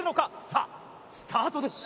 さあスタートです・